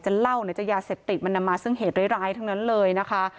แล้วคุยกับลูกชายก็ได้